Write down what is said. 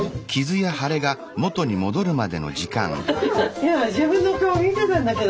今自分の顔見てたんだけど。